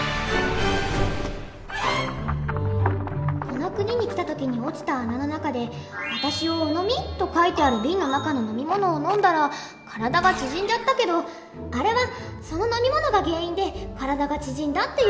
この国に来た時に落ちた穴の中で「私をお飲み」と書いてある瓶の中の飲み物を飲んだら体が縮んじゃったけどあれはその飲み物が原因で体が縮んだっていう事よね？